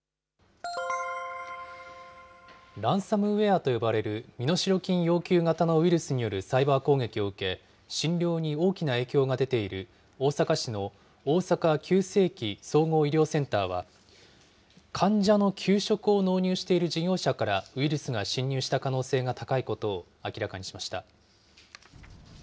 ランサムウエアと呼ばれる身代金要求型のウイルスによるサイバー攻撃を受け、診療に大きな影響が出ている大阪市の大阪急性期・総合医療センターは、患者の給食を納入している事業者から、ウイルスが侵入した可能性が高いことを明らかにしました。